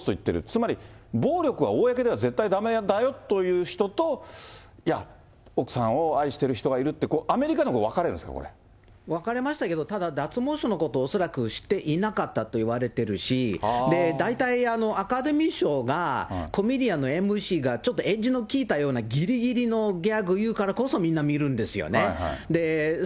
つまり暴力は公では絶対だめだよという人と、いや、奥さんを愛してる人がいるって、アメリカでも分かれるんですか、分かれましたけど、ただ、脱毛症のことを恐らく知っていなかったと言われてるし、大体、アカデミー賞が、コメディアンのＭＣがちょっとエッジの利いたようなぎりぎりのギャグ言うからこそ、みんな見るんですよね。